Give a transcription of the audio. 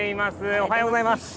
おはようございます。